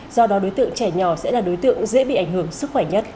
do đó đối tượng trẻ nhỏ sẽ là đối tượng dễ bị ảnh hưởng sức khỏe nhất